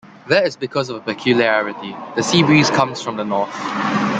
That is because of a peculiarity: the seabreeze comes from the north.